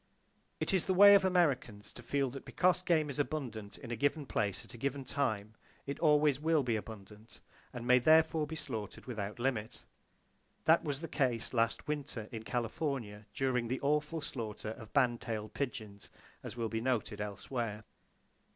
It is the way of Americans to feel that because game is abundant in a given place at a given time, it always will be abundant, and may therefore be slaughtered without limit. That was the case last winter in California during the awful slaughter of band tailed pigeons, as will be noted elsewhere.